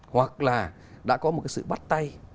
hoặc là đã có một cái sự bắt tay